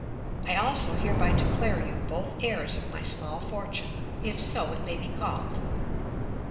I also hereby declare you both heirs of my small fortune (if so it may be called).